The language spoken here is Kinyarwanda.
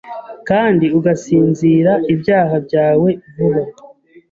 Kandi ugasinzira ibyaha byawe vuba